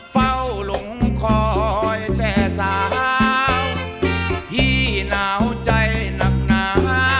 เฝ้าหลงคอยแช่สาวพี่หนาวใจหนักหนา